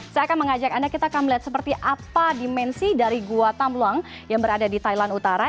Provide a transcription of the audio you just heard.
saya akan mengajak anda kita akan melihat seperti apa dimensi dari gua tamluang yang berada di thailand utara